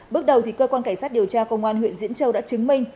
bước đầu cơ quan cảnh sát điều tra công an huyện diễn châu đã chứng minh